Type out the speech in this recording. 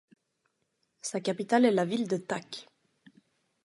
Sa capitale est la ville de Tak.